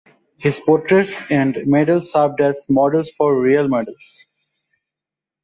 His portraits en medals served as models for real medals.